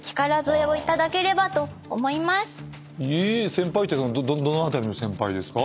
先輩ってどの辺りの先輩ですか？